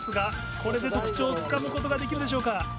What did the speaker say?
これで特徴をつかむことができるでしょうか？